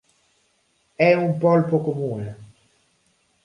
È un polpo comune.